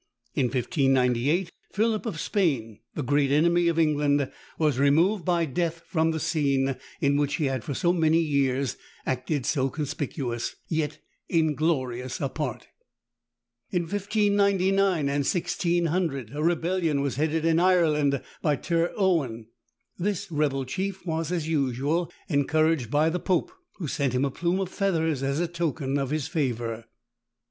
In 1598, Philip of Spain, the great enemy of England, was removed by death from that scene, in which he had, for so many years, acted so conspicuous, yet inglorious a part. In 1599 and 1600, a rebellion was headed in Ireland by Tir Owen. This rebel chief was, as usual, encouraged by the pope, who sent him a plume of feathers as a token of his favour.